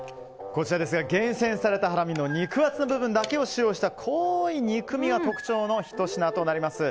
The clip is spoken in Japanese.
こちら、厳選されたハラミの肉厚の部分だけを使用した濃い肉みが特徴のひと品となります。